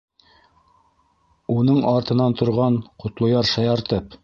Уның артынан торған Ҡотлояр, шаяртып: